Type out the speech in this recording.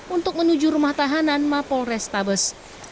untuk menuju rumah tahanan mapolrestabes